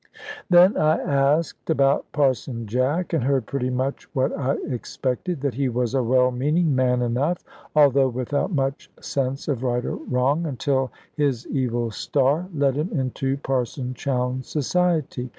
Then I asked about Parson Jack, and heard pretty much what I expected. That he was a well meaning man enough, although without much sense of right or wrong, until his evil star led him into Parson Chowne's society.